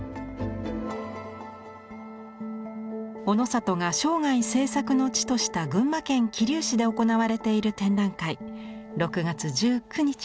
オノサトが生涯制作の地とした群馬県桐生市で行われている展覧会。